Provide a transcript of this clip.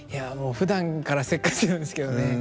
ふだんからせっかちなんですけどね。